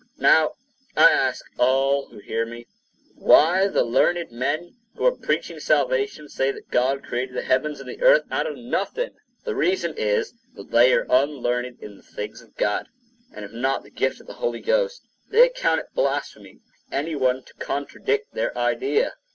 Now, I ask all who hear me, why the learned men who are preaching salvation, say that God created the heavens and the earth out of nothing? The reason is, that they are unlearned in the things of God, and have not the gift of the Holy Ghost; they account it blasphemy in any one to contradict their idea.